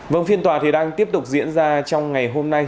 vòng phiên tòa đang tiếp tục diễn ra trong ngày hôm nay